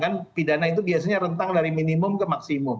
kan pidana itu biasanya rentang dari minimum ke maksimum